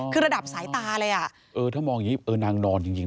คือระดับสายตาเลยอ่ะเออถ้ามองอย่างนี้เออนางนอนจริง